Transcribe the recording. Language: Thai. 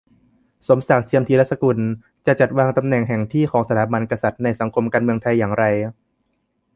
สมศักดิ์ เจียมธีรสกุล : จะจัดวางตำแหน่งแห่งที่ของสถาบันกษัตริย์ในสังคม-การเมืองไทยอย่างไร ?